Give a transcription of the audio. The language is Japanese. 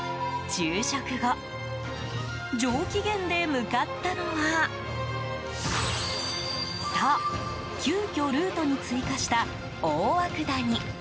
昼食後、上機嫌で向かったのはそう、急きょルートに追加した大涌谷。